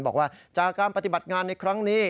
บอกว่าจากการปฏิบัติงานในครั้งนี้